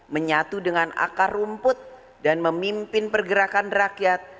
menyatu dengan akar rumput dan memimpin pergerakan rakyat